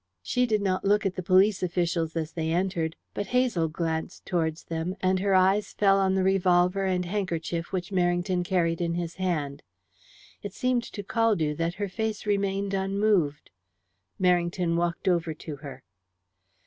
She did not look at the police officials as they entered, but Hazel glanced towards them, and her eyes fell on the revolver and handkerchief which Merrington carried in his hand. It seemed to Caldew that her face remained unmoved. Merrington walked over to her.